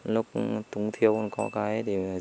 lúc túng thiêu con có cái